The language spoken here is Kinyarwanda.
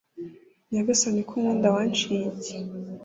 nyagasani ko unkunda wanciye iki